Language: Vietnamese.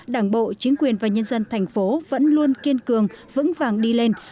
đảng bộ chính quyền và nhân dân thành phố vẫn luôn kiên cường vững vàng đi lên